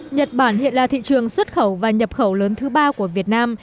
nhật bản hiện là thị trường xuất khẩu và nhập khẩu lớn thứ ba của việt nam